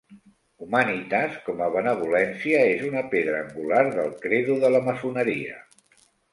"Humanitas", com a benevolència, és una pedra angular del credo de la maçoneria.